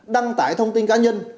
đăng tải thông tin cá nhân